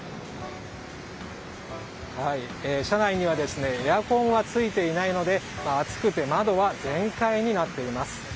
車内にはエアコンがついていないので暑くて、窓は全開になっています。